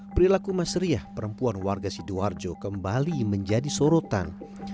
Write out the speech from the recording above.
perilaku mas riah perempuan warga sidoarjo kembali menjadi sorotan